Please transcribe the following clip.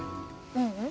ううん。